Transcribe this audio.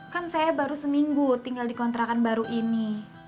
kan saya baru seminggu tinggal di kontrakan baru ini